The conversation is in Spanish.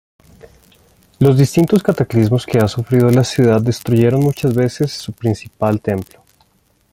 Los distintos cataclismos que ha sufrido la ciudad destruyeron muchas veces su principal templo.